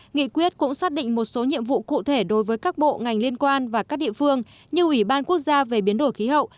nghị quyết cũng xác định một số nhiệm vụ cụ thể đối với các bộ ngành liên quan và các địa phương như ủy ban quốc gia về biến đổi khí hậu